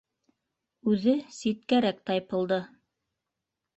Үҙе ситкәрәк тайпылды.